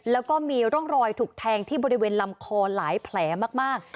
แล้วก็มีร่องรอยถูกแทงที่บริเวณลำคอหลายแผลมาก